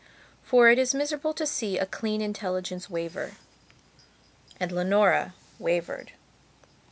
For it is miserable to see a clean intelligence waver; and Leonora wavered.